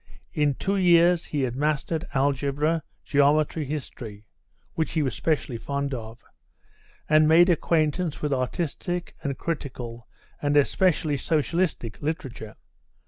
In two years he had mastered algebra, geometry, history which he was specially fond of and made acquaintance with artistic and critical, and especially socialistic literature.